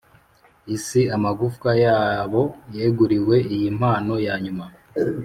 isi amagufwa yabo yeguriwe, iyi mpano yanyuma